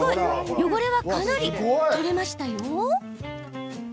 汚れはかなり取れましたよ。